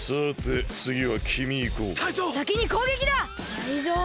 タイゾウ！